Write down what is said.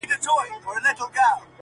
دا موږک چي ځانته ګرځي بې څه نه دی.